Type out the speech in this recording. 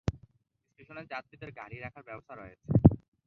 স্টেশনে যাত্রীদের গাড়ি রাখার ব্যবস্থা রয়েছে।